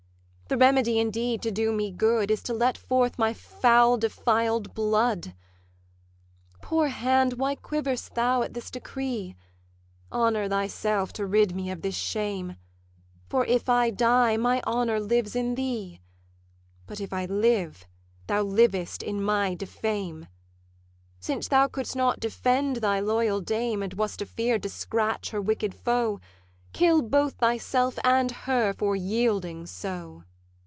The remedy indeed to do me good Is to let forth my foul defiled blood. 'Poor hand, why quiver'st thou at this decree? Honour thyself to rid me of this shame; For if I die, my honour lives in thee; But if I live, thou livest in my defame: Since thou couldst not defend thy loyal dame, And wast afeard to scratch her wicked foe, Kill both thyself and her for yielding so.'